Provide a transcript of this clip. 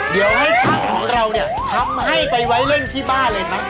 เดี๋ยวให้ช่างของเราเนี่ยทำให้ไปไว้เล่นที่บ้านเลยมั้